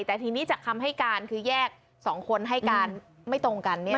แต่ทีนี้จากคำให้การคือแยก๒คนให้การไม่ตรงกัน